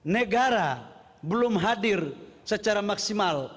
negara belum hadir secara maksimal